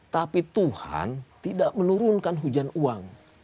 tapi tuhan tidak menurunkan hujan uang